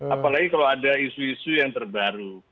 apalagi kalau ada isu isu yang terbaru